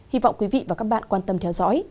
hy vọng quý vị và các bạn quan tâm theo dõi